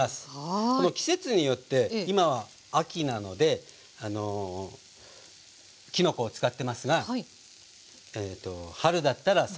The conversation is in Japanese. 季節によって今は秋なのできのこを使ってますが春だったら山菜や竹の子。